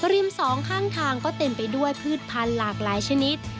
ริมสองข้างทางก็เต็มไปด้วยพืชพันธุ์หลากหลายชนิด